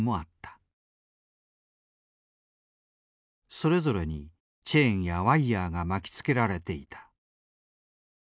それぞれにチェーンやワイヤーが巻きつけられていた。